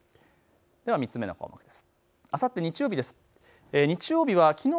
では３つ目の項目です。